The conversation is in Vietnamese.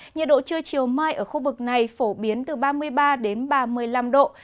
nhiệt độ trưa chiều mai ở khu vực này phổ biến từ ba mươi ba đến ba mươi năm độ